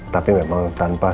tapi memang tanpa